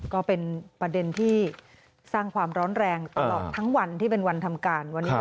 ก็เป็นประเด็นที่สร้างความร้อนแรงตลอดทั้งวันที่เป็นวันทำการวันนี้